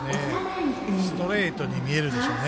ストレートに見えるんでしょうね。